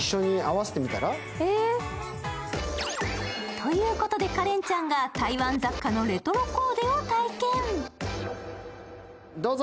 ということで花恋ちゃんが台湾雑貨のレトロコーデを体験。